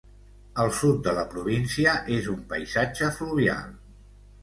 El sud de la província és un paisatge fluvial.